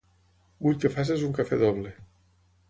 Vull que facis un cafè doble.